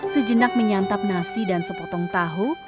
sejenak menyantap nasi dan sepotong tahu